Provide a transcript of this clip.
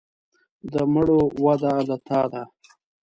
د مړو وده له تا ده.